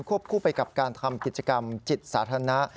คู่ไปกับการทำกิจกรรมจิตสาธารณะ